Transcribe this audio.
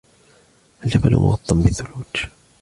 الجبل مغطى بالثلوج.